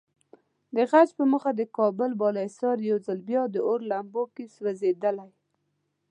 د غچ په موخه کابل بالاحصار یو ځل بیا د اور لمبو کې سوځېدلی.